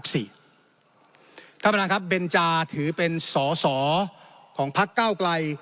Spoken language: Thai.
ข้ามนานครับเบญจาถือเป็นสอของพักเก้ากลัย